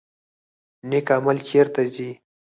نیک عمل چیرته ځي؟